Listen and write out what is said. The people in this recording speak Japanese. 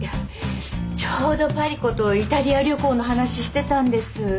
ちょうどパリ子とイタリア旅行の話してたんです。